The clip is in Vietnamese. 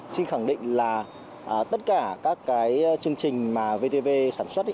xin khẳng định là tất cả các cái chương trình mà vtv sản xuất